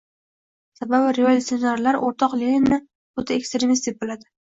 Sababi, revolyutsionerlar o‘rtoq Leninni... o‘ta ekstremist, deb biladi.